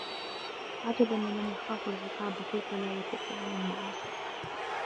عَجَبًا لِمَنْ يَخَافُ الْعِقَابَ كَيْفَ لَا يَكُفَّ عَنْ الْمَعَاصِي